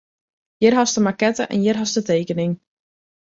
Hjir hast de makette en hjir hast de tekening.